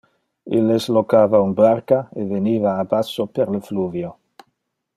Illes locava un barca e veniva a basso per le fluvio.